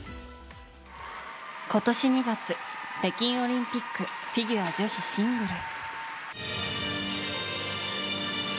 今年２月、北京オリンピックフィギュア女子シングル。